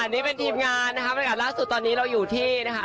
นี่เป็นทีมงานนะคะบรรยากาศล่าสุดตอนนี้เราอยู่ที่นะคะ